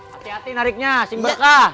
hati hati nariknya si berkah